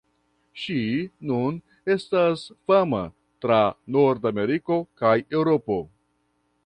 Ŝi nun estas fama tra Nordameriko kaj Eŭropo.